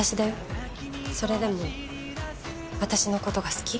それでも私の事が好き？